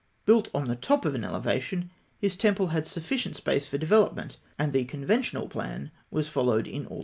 Built on the top of an elevation, his temple had sufficient space for development, and the conventional plan was followed in all its strictness.